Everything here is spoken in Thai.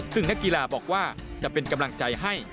ซึ่งนักกีฬาบอกว่าจะเป็นกำลังใจให้